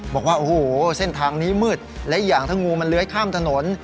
บอกว่าโอ้โหเส้นทางนี้มืดและอีกอย่างถ้างูมันเลื้อยข้ามถนน